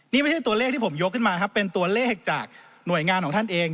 นี่ไม่ใช่ตัวเลขที่ผมยกขึ้นมานะครับเป็นตัวเลขจากหน่วยงานของท่านเอง